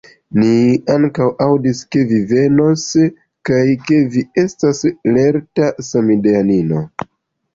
Ni ankaŭ aŭdis, ke vi venos, kaj ke vi estas lerta samideanino.